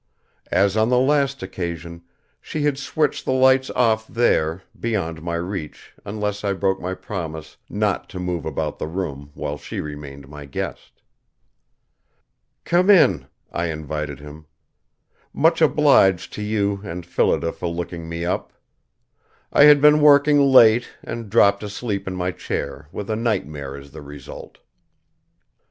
As on the last occasion, she had switched the lights off there, beyond my reach unless I broke my promise not to move about the room while she remained my guest. "Come in," I invited him. "Much obliged to you and Phillida for looking me up! I had been working late and dropped asleep in my chair, with a nightmare as the result."